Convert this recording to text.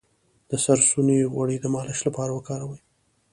د سرسونو غوړي د مالش لپاره وکاروئ